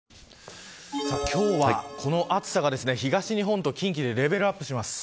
今日はこの暑さが東日本と近畿でレベルアップします。